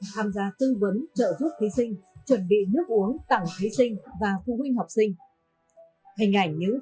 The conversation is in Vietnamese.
tham gia tư vấn trợ giúp thí sinh chuẩn bị nước uống tặng thí sinh và phụ huynh học sinh